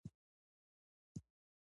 اقتصاد د عرضه او تقاضا قوانین تشریح کوي.